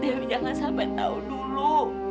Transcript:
ya jangan sampai tahu dulu